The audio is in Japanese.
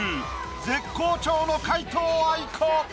絶好調の皆藤愛子。